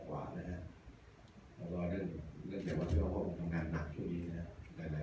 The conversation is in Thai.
ถ้าเราเหลือสิ่งการทำงานหนักเท่านี้นะครับ